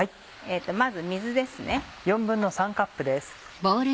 まず水ですね。